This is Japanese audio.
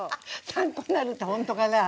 参考になるってほんとかな？